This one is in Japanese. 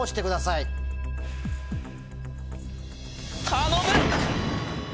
頼む！